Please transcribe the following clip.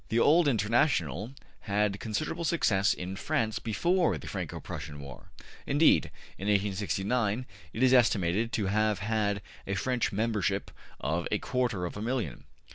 The old International had considerable success in France before the Franco Prussian War; indeed, in 1869, it is estimated to have had a French membership of a quarter of a million.